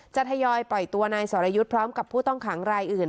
ทยอยปล่อยตัวนายสรยุทธ์พร้อมกับผู้ต้องขังรายอื่น